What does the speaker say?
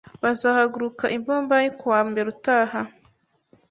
Bazahaguruka i Bombay kuwa mbere utaha.